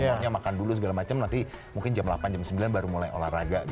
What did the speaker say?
pokoknya makan dulu segala macam nanti mungkin jam delapan jam sembilan baru mulai olahraga